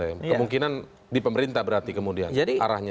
yang kemungkinan di pemerintah berarti kemudian arahnya